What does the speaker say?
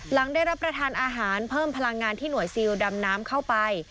หลังได้รับประทานอาหารเพิ่มพลังงานที่หน่วยซิลดำน้ำเข้าไป